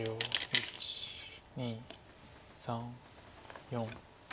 １２３４。